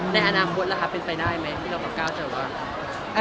ในอนาคตแล้วค่ะเป็นไปได้ไหมที่เรากับก้าวเจอกัน